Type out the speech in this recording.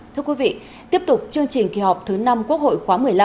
thưa quý vị tiếp tục chương trình kỳ họp thứ năm quốc hội khóa một mươi năm